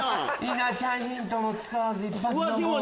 稲ちゃんヒントも使わず一発ドボン。